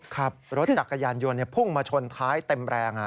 ขับรถจักรยานยนต์พุ่งมาชนท้ายเต็มแรง